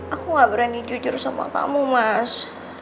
aku gak berani jujur sama kamu mas